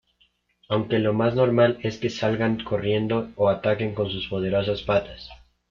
Aunque lo más normal es que salgan corriendo o ataquen con sus poderosas patas.